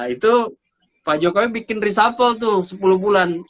itu pak jokowi bikin reshuffle tuh sepuluh bulan